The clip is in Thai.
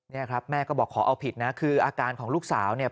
เนี่ยครับแม่ก็บอกขอเอาผิดนะคืออาการของลูกสาวเนี่ย